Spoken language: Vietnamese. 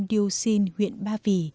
điêu xin huyện ba vì